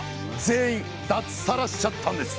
全員脱サラしちゃったんです！